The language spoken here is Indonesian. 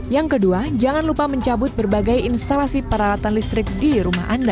yang kedua jangan lupa mencabut berbagai instalasi peralatan listrik di rumah anda